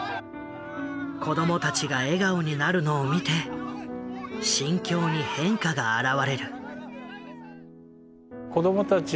子どもたちが笑顔になるのを見て心境に変化が表れる。